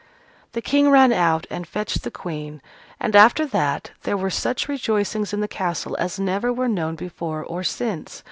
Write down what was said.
The King ran out and fetched the Queen: and after that, there were such rejoicings in the castle as never were known before or since.